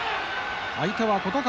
相手は琴風。